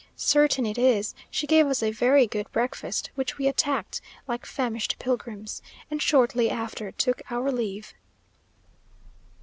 Certain it is, she gave us a very good breakfast, which we attacked like famished pilgrims; and shortly after took our leave.